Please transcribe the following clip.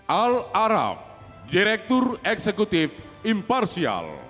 al araf direktur eksekutif imparsial